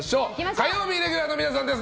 火曜日レギュラーの皆さんです。